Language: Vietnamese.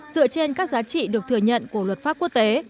dựa trên các giá trị được thừa nhận của luật pháp quốc tế